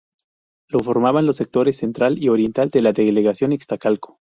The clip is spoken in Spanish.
Lo formaban los sectores central y oriental de la Delegación Iztacalco.